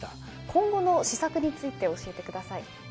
今後の施策について教えてください。